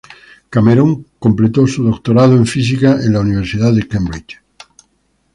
Cameron completó su doctorado en física en la Universidad de Cambridge.